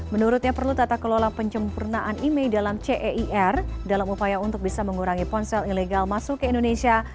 menurutnya perlu tata kelola pencempurnaan imei dalam ceir dalam upaya untuk bisa mengurangi ponsel ilegal masuk ke indonesia